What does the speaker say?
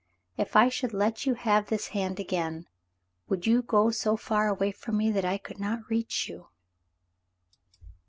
If I should let you have this hand again, would you go so far away from me that I could not reach you